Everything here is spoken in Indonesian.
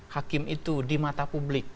hakim itu di mata publik